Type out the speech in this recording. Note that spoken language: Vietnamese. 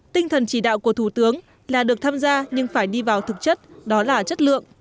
tinh thần chỉ đạo của thủ tướng là được tham gia nhưng phải đi vào thực chất đó là chất lượng